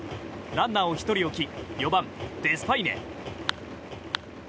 ランナーを１人置き４番、デスパイネ。